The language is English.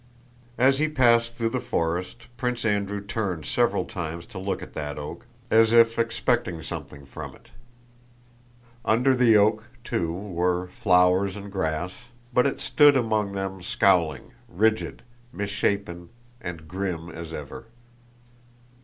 As he passed through the forest Prince Andrew turned several times to look at that oak, as if expecting something from it. Under the oak, too, were flowers and grass, but it stood among them scowling, rigid, misshapen, and grim as ever.